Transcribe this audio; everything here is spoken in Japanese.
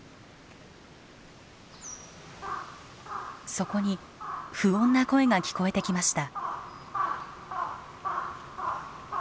そこに不穏な声が聞こえてきました。